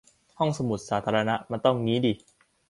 ห้องสมุดสาธารณะมันต้องงี้ดิ